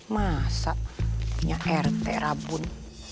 masa punya rt rabun